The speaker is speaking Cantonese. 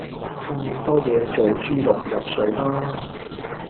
咁多嘢做豬籠入水啦